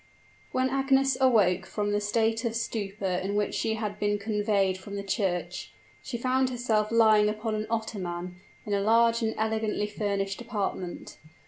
When Agnes awoke from the state of stupor in which she had been conveyed from the church, she found herself lying upon an ottoman, in a large and elegantly furnished apartment.